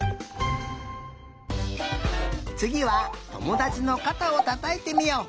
つぎはともだちのかたをたたいてみよう。